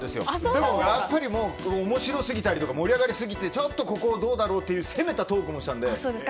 でもやっぱり面白すぎたり盛り上がりすぎてちょっとここはどうだろう？って攻めたトークもしてたので。